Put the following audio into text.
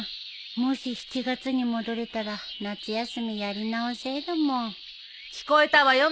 もし７月に戻れたら夏休みやり直せるもん。・聞こえたわよ